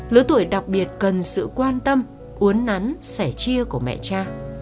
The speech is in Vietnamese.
lứa tuổi đặc biệt cần sự quan tâm uốn nắn sẻ chia của mẹ cha